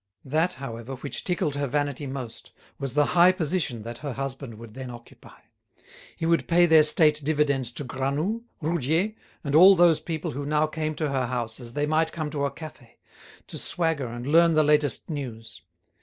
That, however, which tickled her vanity most was the high position that her husband would then occupy. He would pay their state dividends to Granoux, Roudier, and all those people who now came to her house as they might come to a cafe, to swagger and learn the latest news.